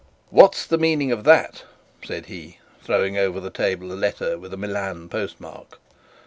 'What's the meaning of that?' said he, throwing over the table a letter with a Milan post mark.